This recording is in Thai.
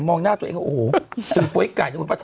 มองหน้าตัวเองโอ้โหตื่นป๊วยไก่